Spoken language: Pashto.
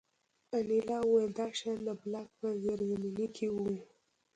انیلا وویل دا شیان د بلاک په زیرزمینۍ کې وو